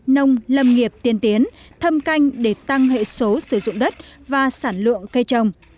nông lâm nghiệp tiên tiến thâm canh để tăng hệ số sử dụng đất và sản lượng cây trồng